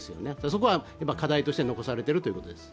そこは課題として残されているということです。